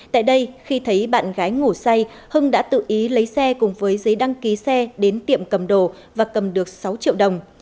tại đây khi thấy bạn gái ngủ say hưng đã tự ý lấy xe cùng với giấy đăng ký xe đến tiệm cầm đồ và cầm được sáu triệu đồng